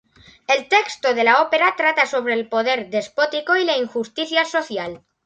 El texto de la ópera trata sobre el poder despótico y la injusticia social.